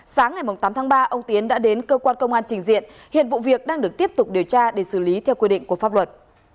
sáng ngày tám tháng ba ông tiến đã đến cơ quan công an trình diện hiện vụ việc đang được tiếp tục điều tra để xử lý theo quy định của pháp luật